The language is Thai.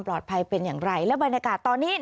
เป็นอย่างไรและบรรยากาศตอนนี้